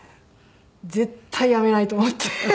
絶対辞めないと思って。